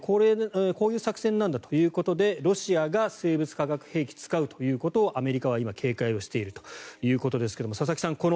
こういう作戦なんだということでロシアが生物・化学兵器を使うということをアメリカは今警戒をしているということですが佐々木さん